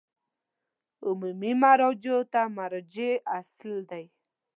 عمومي مراجعو ته د مراجعې اصل